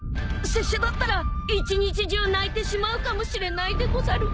［拙者だったら一日中泣いてしまうかもしれないでござる］